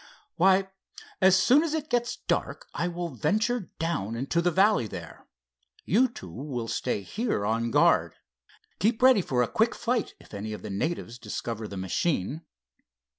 "Why, as soon as it gets dusk I will venture down into the valley there. You two will stay here on guard. Keep ready for a quick flight, if any of the natives discover the machine."